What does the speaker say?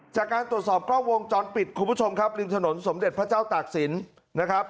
จากการตรวจสอบกล้องวงจรปิดคุณผู้ชมครับริมถนนสมเด็จพระเจ้าตากศิลป์นะครับ